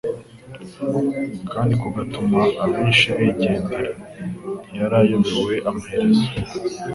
kandi kugatuma abenshi bigendera, ntiyari ayobewe amaherezo;